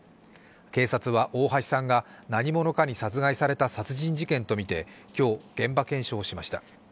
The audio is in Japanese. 警察は大橋さんが何者かに殺害された殺人事件とみて今日、現場検証しました。